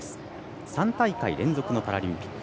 ３大会連続のパラリンピック。